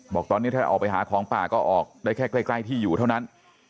บอกตอนนี้ถ้าออกไปหาของป่าก็ออกได้แค่ใกล้ที่อยู่เท่านั้น